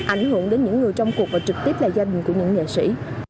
ảnh hưởng đến những người trong cuộc và trực tiếp là gia đình của những nhạc sĩ